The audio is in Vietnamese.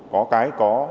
có cái có